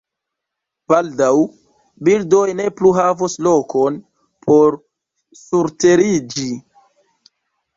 Baldaŭ, birdoj ne plu havos lokon por surteriĝi.